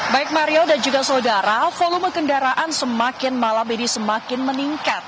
baik mario dan juga saudara volume kendaraan semakin malam ini semakin meningkat